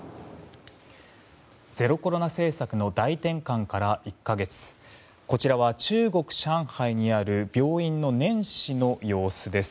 ゼロコロナ政策の大転換から１か月こちらは中国・上海にある病院の年始の様子です。